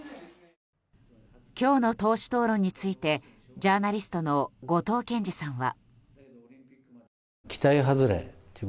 今日の党首討論についてジャーナリストの後藤謙次さんは。